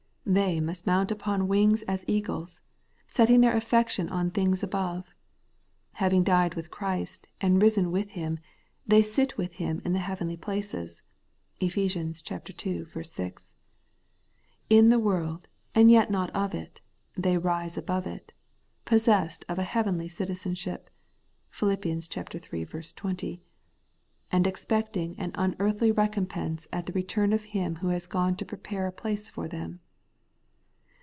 They must mount up on wings as eagles, setting their affection on things above. Having died with Christ and risen with Him, they sit with Him in heavenly places (Eph. ii. 6). In the world, and yet not of it, they rise above it ; possessed of a heavenly citizenship (Phil iii. 20), and expecting an unearthly recompense at the return of Him who has gone to prepare a place for them.